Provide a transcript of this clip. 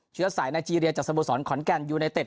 เชื้อสายไนเจรียจากสโมสรขอนแก่นยูไนเต็